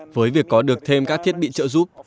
với việc có được thêm các thiết bị trợ giúp